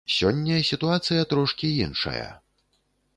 Сёння сітуацыя трошкі іншая.